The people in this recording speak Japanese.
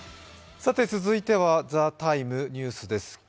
続いては「ＴＨＥＴＩＭＥ，ニュース」です。